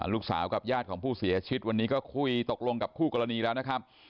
ลูกสาวกับญาติของผู้เสียชีวิตวันนี้ก็คุยตกลงกับคู่กรณีแล้วนะครับ